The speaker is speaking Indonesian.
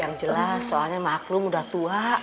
yang jelas soalnya maklum udah tua